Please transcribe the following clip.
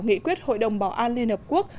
nghị quyết hội đồng bảo an liên hợp quốc